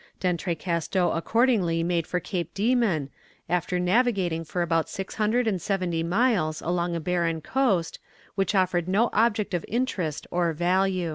D'Entrecasteaux accordingly made for Cape Dieman, after navigating for about six hundred and seventy miles along a barren coast, which offered no object of interest or value.